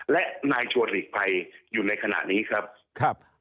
และนายชัวร์หลีกภัยอยู่ในขณะนี้ครับครับ